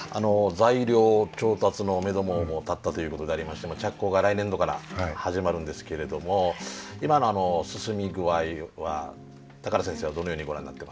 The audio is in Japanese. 材料調達のめども立ったということでありまして着工が来年度から始まるんですけれども今の進み具合は高良先生はどのようにご覧になってますか？